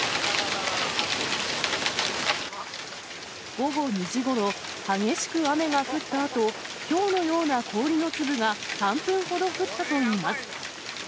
午後２時ごろ、激しく雨が降ったあと、ひょうのような氷の粒が３分ほど降ったといいます。